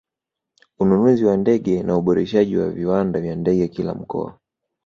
Ununuzi wa ndege na uboreshaji wa viwanja vya ndege kila mkoa